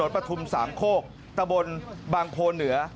ปฐุมสามโคกตะบนบางโพเหนือ